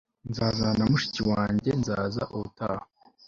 nzazana mushiki wanjye nzaza ubutaha